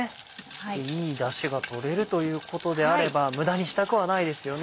いいダシが取れるということであれば無駄にしたくはないですよね。